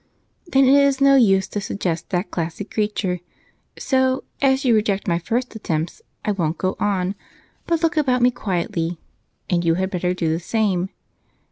"Then it is of no use to suggest that classic creature, so as you reject my first attempts, I won't go on but look about me quietly, and you had better do the same.